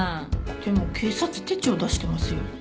でも警察手帳出してますよ。